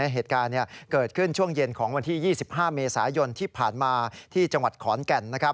เหตุการณ์เกิดขึ้นช่วงเย็นของวันที่๒๕เมษายนที่ผ่านมาที่จังหวัดขอนแก่น